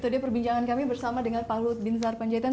itu dia perbincangan kami bersama dengan pak hlut bin sar panjaitan